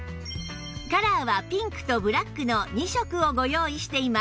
カラーはピンクとブラックの２色をご用意しています